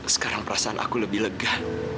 sekarang perasaan aku lebih lega